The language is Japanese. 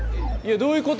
どういうこと？